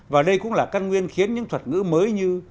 và đây cũng là căn nguyên khiến những thuật ngữ mới như